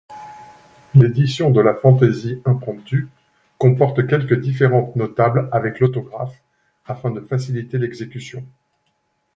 L'édition de la Fantaisie-Impromptu comporte quelques différentes notables avec l'autographe, afin de faciliter l'exécution.